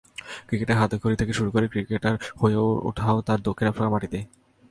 ক্রিকেটে হাতেখড়ি থেকে শুরু করে ক্রিকেটার হয়ে ওঠাও তাঁর দক্ষিণ আফ্রিকার মাটিতেই।